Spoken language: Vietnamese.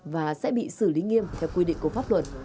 và sẽ bị xử lý nghiêm theo quy định của pháp luật